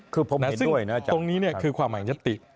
ซึ่งตรงนี้คือความหมายว่ายัตติ